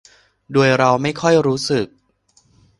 โดยเราไม่ค่อยรู้สึก